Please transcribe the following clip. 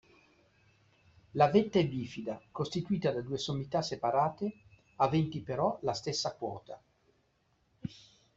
La vetta è bifida, costituita da due sommità separate aventi però la stessa quota.